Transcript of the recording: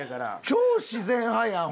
超自然派やん。